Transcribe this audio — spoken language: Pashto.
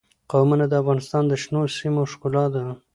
قومونه د افغانستان د شنو سیمو ښکلا ده.